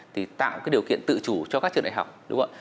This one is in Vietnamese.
thì tạo cái điều kiện tự chủ cho các trường đại học đúng không ạ